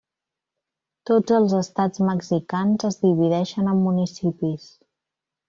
Tots els estats mexicans es divideixen en municipis.